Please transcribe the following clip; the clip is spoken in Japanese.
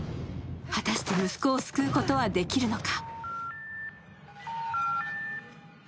果たして息子を救うことはできるのか。